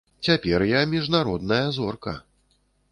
Цяпер я міжнародная зорка.